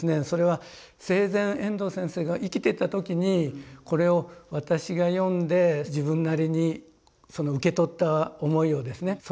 それは生前遠藤先生が生きてた時にこれを私が読んで自分なりに受け取った思いをですね